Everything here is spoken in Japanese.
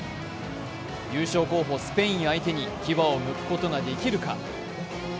優勝候補・スペイン相手に牙をむくことができるか。